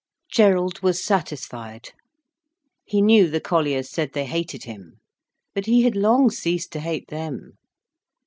Gerald was satisfied. He knew the colliers said they hated him. But he had long ceased to hate them.